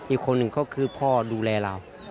อีกคนหนึ่งก็คือพ่อดูแลเรา